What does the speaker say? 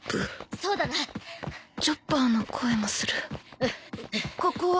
そうだなチョッパーの声もするここは？